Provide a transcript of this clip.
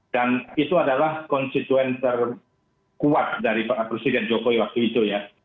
dan itu adalah konstituen terkuat dari pak presiden jokowi waktu itu ya